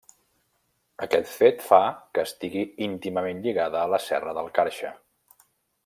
Aquest fet fa que estigui íntimament lligada a la Serra del Carxe.